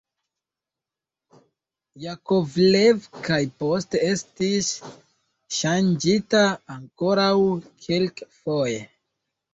Jakovlev kaj poste estis ŝanĝita ankoraŭ kelkfoje.